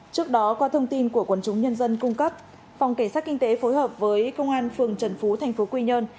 trước đó qua thông tin của quần chúng nhân dân cung cấp phòng cảnh sát kinh tế phối hợp với công an phường trần phú tp quy nhơn